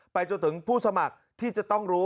จนถึงผู้สมัครที่จะต้องรู้